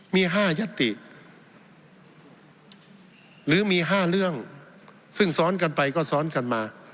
มี๕ยัตติหรือมี๕เรื่องซึ่งซ้อนกันไปก็ซ้อนกันมา